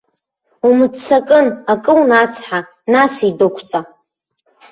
Умыццакын акы унацҳа, нас идәықәҵа.